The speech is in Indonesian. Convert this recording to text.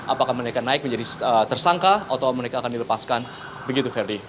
apakah mereka naik menjadi tersangka atau mereka akan dilepaskan begitu ferdi